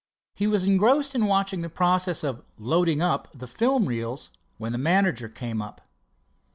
He was engrossed in watching the process of "loading up" the film reels, when the manager came up.